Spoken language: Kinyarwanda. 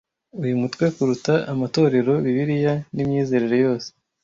Uyu mutwe kuruta amatorero, Bibiliya, n'imyizerere yose.